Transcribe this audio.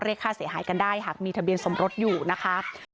ค่าเสียหายกันได้หากมีทะเบียนสมรสอยู่นะคะ